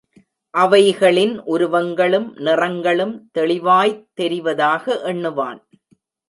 அவைகளின் உருவங்களும், நிறங்களும் தெளிவாய்த் தெரிவதாக எண்ணுவான்.